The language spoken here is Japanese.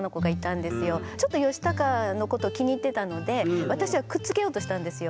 ちょっとヨシタカのこと気に入ってたので私はくっつけようとしたんですよ。